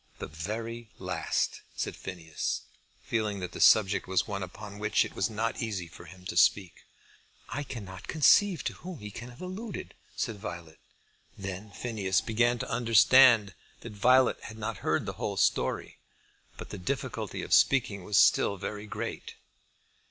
"The very last," said Phineas, feeling that the subject was one upon which it was not easy for him to speak. "I cannot conceive to whom he can have alluded," said Violet. Then Phineas began to understand that Violet had not heard the whole story; but the difficulty of speaking was still very great.